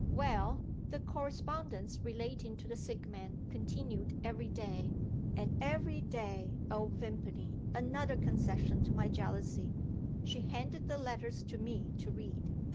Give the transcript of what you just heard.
Well, the correspondence relating to the sick man continued every day; and every day oh, Vimpany, another concession to my jealousy! she handed the letters to me to read.